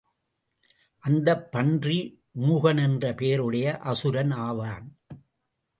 அந்தப் பன்றி மூகன் என்ற பெயர் உடைய அசுரன் ஆவான்.